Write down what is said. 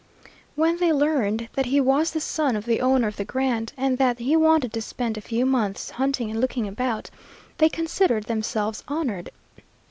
When they learned that he was the son of the owner of the grant, and that he wanted to spend a few months hunting and looking about, they considered themselves honored.